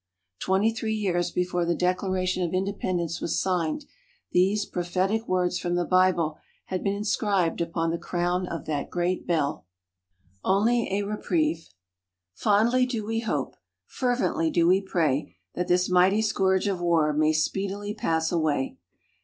_ Twenty three years before the Declaration of Independence was signed, these prophetic words from the Bible had been inscribed upon the crown of that great Bell. ONLY A REPRIEVE _Fondly do we hope, fervently do we pray, that this mighty scourge of War may speedily pass away.